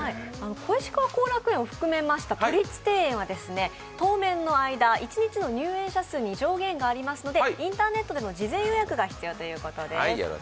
小石川後楽園を含めました都立庭園では当面の間、一日の入園者数に上限がありますので、インターネットでの事前予約が必要ということです。